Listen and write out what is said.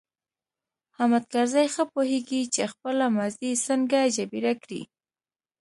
حامد کرزی ښه پوهیږي چې خپله ماضي څنګه جبیره کړي.